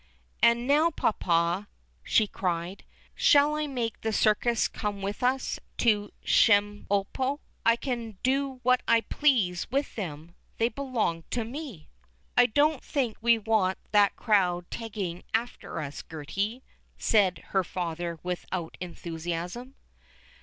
"And now, Poppa," she cried, "shall I make this circus come with us to Chemulpo? I can do what I please with them; they belong to me." "I don't think we want that crowd tagging after us, Gertie," said her father without enthusiasm.